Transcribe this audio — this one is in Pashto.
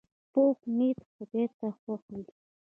پوخ نیت خدای ته خوښ وي